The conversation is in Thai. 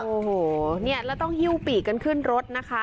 โอ้โฮแล้วต้องฮิ่วปีกกันขึ้นรถนะคะ